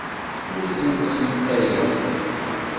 Ur tent-ssentayeɣ.